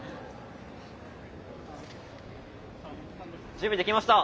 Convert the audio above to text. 準備できました。